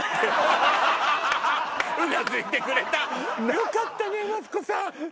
「よかったねマツコさん」って。